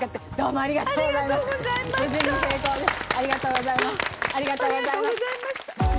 ありがとうございます。